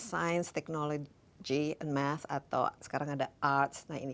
science technology math atau sekarang ada arts